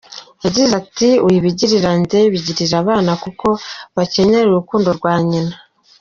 Yagize ati, “Wibigirira njye, bigirire abana kuko bakeneye urukundo rwa nyina”.